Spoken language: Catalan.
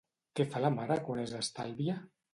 Què fa la mare quan és estàlvia?